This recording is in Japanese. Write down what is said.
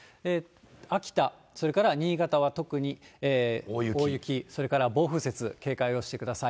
秋田、それから新潟は特に大雪、それから暴風雪、警戒をしてください。